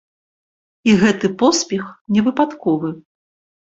І гэты поспех невыпадковы.